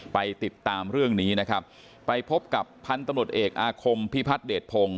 ไปติดตามเรื่องนี้นะครับไปพบกับพันธุ์ตำรวจเอกอาคมพิพัฒนเดชพงศ